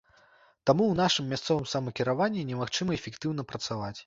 Таму ў нашым мясцовым самакіраванні немагчыма эфектыўна працаваць.